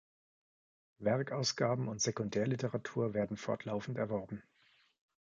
Werkausgaben und Sekundärliteratur werden fortlaufend erworben.